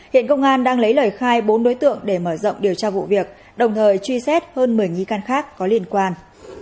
hiện công an đang lấy lời khai bốn đối tượng để mở rộng điều tra vụ việc đồng thời truy xét hơn một mươi nghi can khác có liên quan